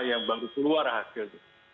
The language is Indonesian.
yang baru keluar hasilnya